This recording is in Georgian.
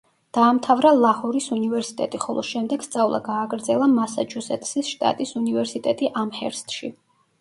დაამთავრა ლაჰორის უნივერსიტეტი, ხოლო შემდეგ სწავლა გააგრძელა მასაჩუსეტსის შტატის უნივერსიტეტი ამჰერსტში.